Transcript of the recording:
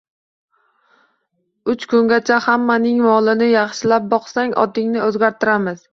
Uch kungacha hammaning molini yaxshilab boqsang, otingni o‘zgartiramiz.